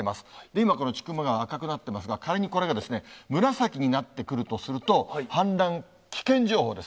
今、この千曲川、赤くなってますが、仮にこれが紫になってくるとすると、氾濫危険情報です。